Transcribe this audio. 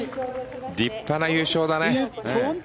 立派な優勝だね。